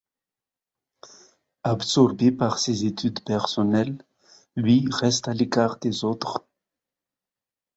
Absorbé par ses études personnelles, Louis reste à l’écart des autres.